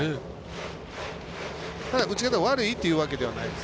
打ち方が悪いというわけではないです。